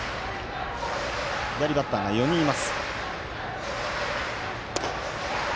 左バッターが４人います。